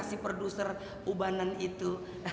si producer ubanan itu